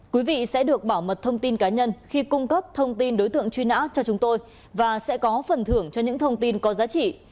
quý vị sẽ được bảo mật thông tin cá nhân khi cung cấp thông tin đối tượng truy nã cho chúng tôi và sẽ có phần thưởng cho những thông tin có giá trị